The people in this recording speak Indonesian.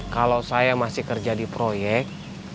kalau saya masih kerja di proyek